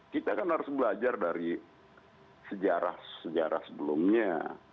kita kan harus belajar dari sejarah sejarah sebelumnya